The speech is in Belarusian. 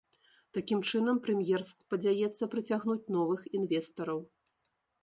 Такім чынам прэм'ер спадзяецца прыцягнуць новых інвестараў.